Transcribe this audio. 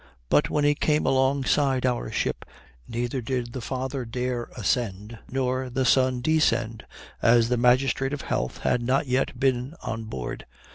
But when he came alongside our ship neither did the father dare ascend nor the son descend, as the magistrate of health had not yet been on board.